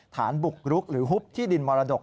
ฐานบุกรุกหรือฮุบที่ดินมรดก